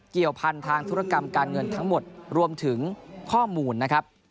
เกี่ยวพันทางธุรกรรมการเงินทั้งหมดรวมถึงข้อมูลนะครับ